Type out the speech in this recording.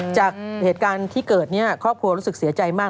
จากเหตุการณ์ที่เกิดเนี่ยครอบครัวรู้สึกเสียใจมาก